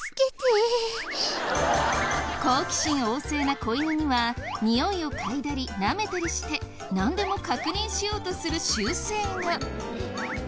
好奇心旺盛な子犬にはにおいを嗅いだりなめたりしてなんでも確認しようとする習性が。